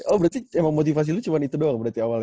oh berarti emang motivasi lu cuma itu doang berarti awalnya